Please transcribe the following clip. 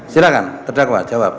silahkan terdakwa jawab